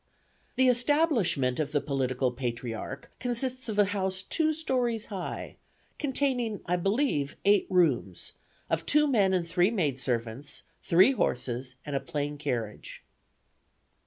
... The establishment of the political patriarch consists of a house two stories high, containing, I believe, eight rooms; of two men and three maidservants, three horses and a plain carriage."